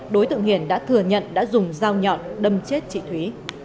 trần minh hiển đã thừa nhận đã dùng dao nhọn đâm chết chị thúy